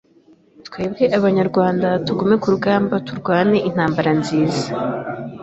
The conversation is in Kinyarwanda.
twebwe Abanyarwanda. Tugume ku rugamba, turwane intambara nziza